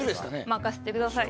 任せてください。